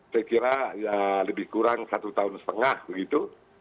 saya kira lebih kurang satu tahun setengah begitu